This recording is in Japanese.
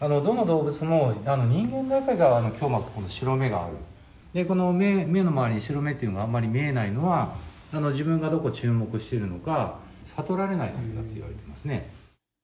どの動物も人間だけが強膜・白目がある、この目の周りに白目っていうのがあんまり見えないのは、自分がどこに注目しているのか、悟られないためといわれていますね。